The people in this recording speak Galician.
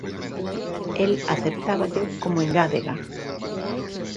El aceptáballo como engádega.